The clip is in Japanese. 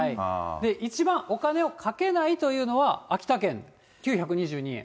一番お金をかねないというのが、秋田県９２２円。